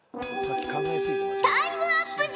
タイムアップじゃ。